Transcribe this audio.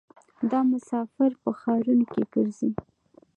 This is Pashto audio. دا مسافر په ښارونو کې ګرځي.